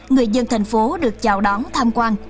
người dân thành phố được chào đón tham quan